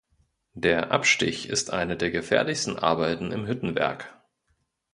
Der Abstich ist eine der gefährlichsten Arbeiten im Hüttenwerk.